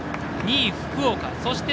２位、福岡。